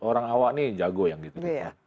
orang awal ini jago yang gitu